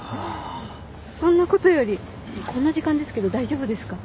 そんなことよりこんな時間ですけど大丈夫ですか？